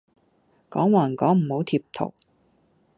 講還講唔好貼圖